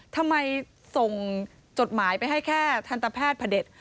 ทำไมส่งจดหมายไปให้แค่ทันตแพทย์พระเด็จ